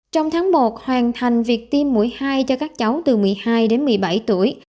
trong tháng một hoàn thành việc tiêm mũi hai cho các cháu từ một mươi hai đến một mươi bảy tuổi